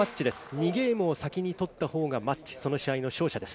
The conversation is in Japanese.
２ゲームを先に取ったほうがマッチ、その試合の勝者です。